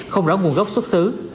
không rõ nguồn gốc xuất xứ